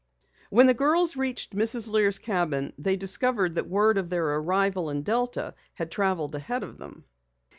When the girls reached Mrs. Lear's cabin they discovered that word of their arrival in Delta had traveled ahead of them.